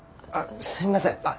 あっすいません。